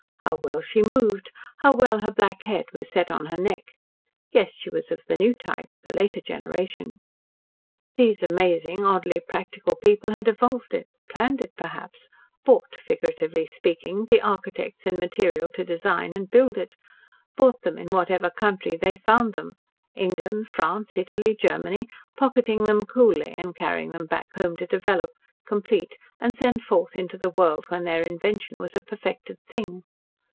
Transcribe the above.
How well she moved how well her black head was set on her neck! Yes, she was of the new type the later generation. These amazing, oddly practical people had evolved it planned it, perhaps, bought figuratively speaking the architects and material to design and build it bought them in whatever country they found them, England, France, Italy Germany pocketing them coolly and carrying them back home to develop, complete, and send forth into the world when their invention was a perfected thing.